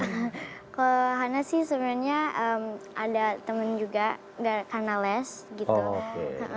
kalau hana sih sebenarnya ada temen juga gak kanalles gitu